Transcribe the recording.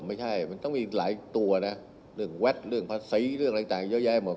ไม่ใช่มันต้องมีหลายตัวนะเรื่องแวดเรื่องภาษีเรื่องอะไรต่างเยอะแยะหมด